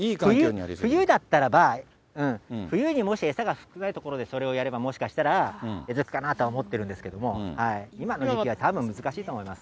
冬だったらば、冬にもし餌が少ない所でそれをやれば、もしかしたら餌付くかなとは思ってるんだけど、今の時期は、たぶん、難しいと思います。